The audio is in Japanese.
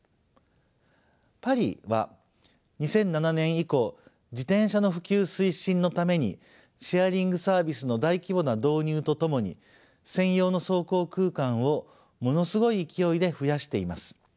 パリは２００７年以降自転車の普及推進のためにシェアリングサービスの大規模な導入とともに専用の走行空間をものすごい勢いで増やしています。